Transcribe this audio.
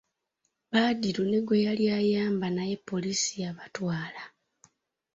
Badru ne gwe yali ayomba naye poliisi yabatwala.